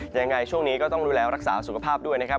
ยังไงช่วงนี้ก็ต้องดูแลรักษาสุขภาพด้วยนะครับ